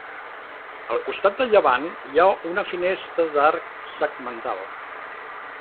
Al costat de llevant hi ha una finestra d'arc segmental.